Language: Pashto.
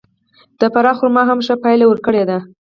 د فراه خرما هم ښه پایله ورکړې ده.